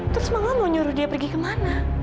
terus mama mau nyuruh dia pergi ke mana